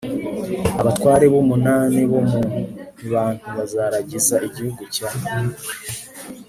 abatware umunani bo mu bantu Bazaragiza igihugu cya